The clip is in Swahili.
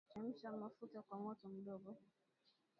chemsha mafuta kw moto mdogo